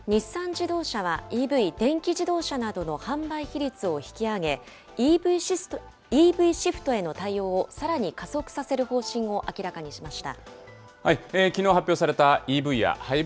日産自動車はＥＶ・電気自動車などの販売比率を引き上げ、ＥＶシフトへの対応をさらに加速させる方針を明らかにしました。